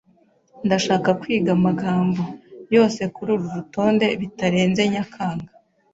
Ndashaka kwiga amagambo . yose kururu rutonde bitarenze Nyakanga.